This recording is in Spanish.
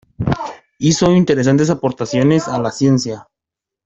Hizo interesantes aportaciones a la ciencia.